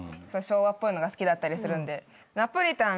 そういう昭和っぽいのが好きだったりするんで。